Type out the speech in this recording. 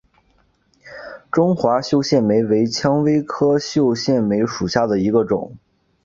中华绣线梅为蔷薇科绣线梅属下的一个种。